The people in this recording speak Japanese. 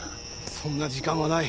そんな時間はない。